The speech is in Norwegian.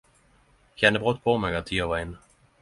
Eg kjende brått på meg at tida var inne.